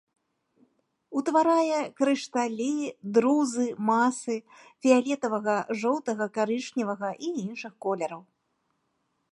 Утварае крышталі, друзы, масы фіялетавага, жоўтага, карычневага і іншых колераў.